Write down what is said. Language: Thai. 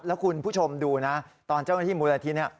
แล้วคุณผู้ชมดูนะตอนเจ้าหน้าที่มูลนิธิเนี่ย